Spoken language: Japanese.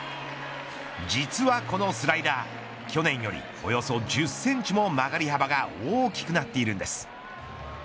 実はこのスライダー去年より、およそ１０センチも曲がり幅が大きくなっているんです。